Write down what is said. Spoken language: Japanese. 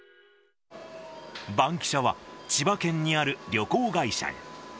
バンキシャは、千葉県にある旅行会社へ。